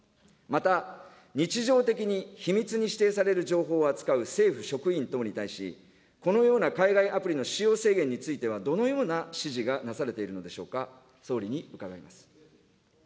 また、日常的に秘密に指定される情報を扱う政府職員等に対し、このような海外アプリの使用制限については、どのような指示がなされているのでしょうか、総理に伺います。